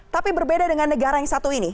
tapi berbeda dengan negara yang satu ini